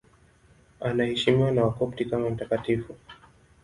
Anaheshimiwa na Wakopti kama mtakatifu.